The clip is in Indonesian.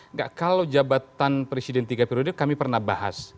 enggak kalau jabatan presiden tiga periode kami pernah bahas